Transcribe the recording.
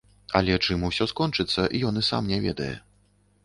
Але чым усё скончыцца, ён і сам не ведае.